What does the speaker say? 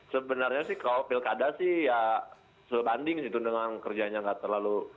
sebenarnya sih kalau pilkada sih ya sebanding gitu dengan kerjanya nggak terlalu